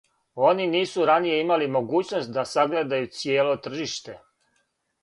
Они нису раније имали могућност да сагледају цијело тржиште.